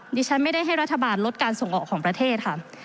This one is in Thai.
ดิฉันไม่ได้ให้รัฐบาลลดการส่งออกของประเทศค่ะ